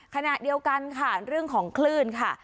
ขณะเดียวกันค่ะเรื่องของคลื่นค่ะ